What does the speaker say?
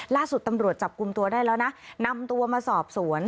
ล่าสุดตำรวจจับกลุ่มตัวได้แล้วนะนำตัวมาสอบสวน